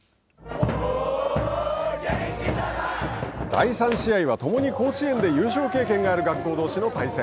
第３試合はともに甲子園で優勝経験がある学校どうしの対戦。